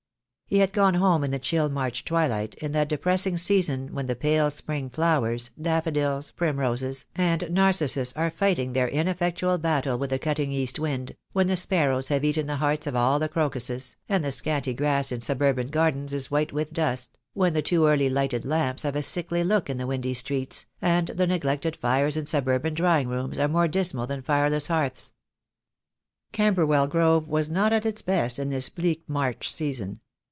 He had gone home in the chill March twilight, in that depressing season when the pale spring flowers, daffodils, primroses, and narcissus are fighting their ineffectual battle with the cutting east wind, when the sparrows have eaten the hearts of all the crocuses, and the scanty grass in suburban gardens is white with dust, when the too early lighted lamps have a sickly look in the windy streets, and the neglected fires in suburban drawing rooms are more dismal than fireless hearths. Camberwell Grove was not at its best in this bleak March season.